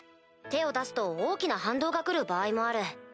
手を出すと大きな反動が来る場合もある。